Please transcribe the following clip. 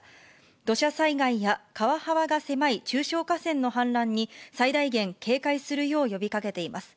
土砂災害や川幅が狭い中小河川の氾濫に、最大限警戒するよう呼びかけています。